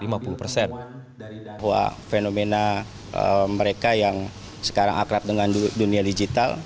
bahwa fenomena mereka yang sekarang akrab dengan dunia digital